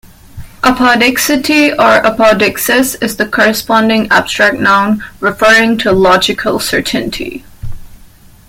Apodicticity or apodixis is the corresponding abstract noun, referring to logical certainty.